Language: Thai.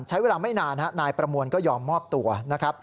ใช้เวลาไม่นานนายประมวลก็ยอมมอบตัวนะครับ